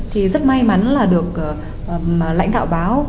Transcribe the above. thì rất may mắn là được lãnh đạo báo